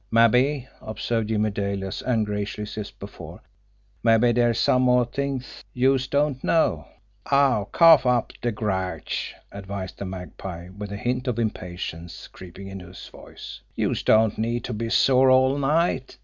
"Mabbe," observed Jimmie Dale, as ungraciously as before, "mabbe dere's some more t'ings youse don't know!" "Aw, cough up de grouch!" advised the Magpie, with a hint of impatience creeping into his voice. "Youse don't need to be sore all night!